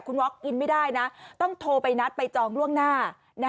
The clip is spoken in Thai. คุณว็อกอินไม่ได้นะต้องโทรไปนัดไปจองล่วงหน้า